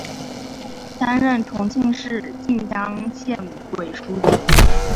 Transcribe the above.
担任重庆市綦江县委书记。